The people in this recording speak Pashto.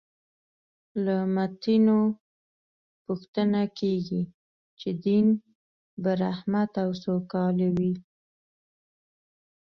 له متدینو پوښتنه کېږي چې دین به رحمت او سوکالي وي.